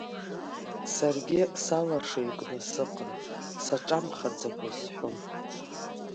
Саргьы салашыҩкны сыҟан, саҿамхаӡакәа исҳәон…